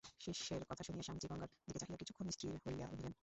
শিষ্যের কথা শুনিয়া স্বামীজী গঙ্গার দিকে চাহিয়া কিছুক্ষণ স্থির হইয়া রহিলেন।